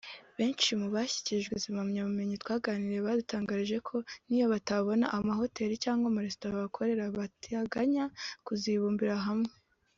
Benshi mu bashyikirijwe izi mpamyabumenyi twaganiriye badutangarije ko n’iyo batabona amahoteli cyangwa amaresitora bakora bateganya kuzibumbira hamwe